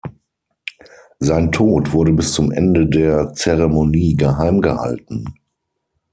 Sein Tod wurde bis zum Ende der Zeremonie geheim gehalten.